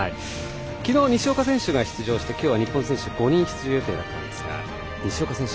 昨日、西岡選手が出場して今日は日本選手、５人が出場予定だったんですが西岡選手